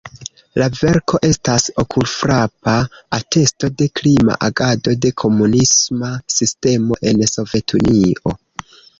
La verko estas okulfrapa atesto de krima agado de komunisma sistemo en Sovetunio.